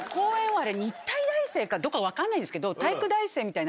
日体大生かどっか分かんないですけど。